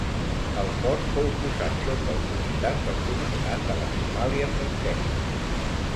El cos fou posat sota autoritat del comandant de la Somàlia Francesa.